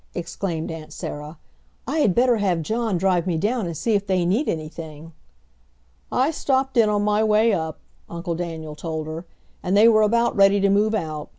exclaimed Aunt Sarah. "I had better have John drive me down and see if they need anything." "I stopped in on my way up," Uncle Daniel told her, "and they were about ready to move out.